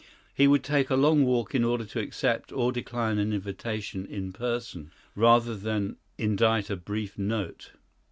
He would take a long walk in order to accept or decline an invitation in person, rather than indite a brief note.